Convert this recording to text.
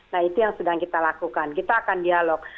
nah itu yang sedang kita lakukan kita akan dialog